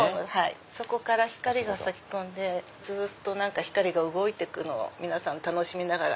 そこから光が差し込んでずっと光が動いてくのを皆さん楽しみながら。